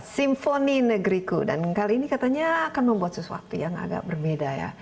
simfoni negriku dan kali ini katanya akan membuat sesuatu yang agak berbeda ya